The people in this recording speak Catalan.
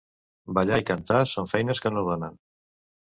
Ballar i cantar són feines que no donen.